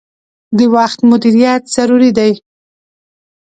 د وخت مدیریت ضروری دي.